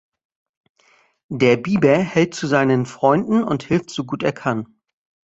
Der Biber hält zu seinen Freunden und hilft so gut er kann.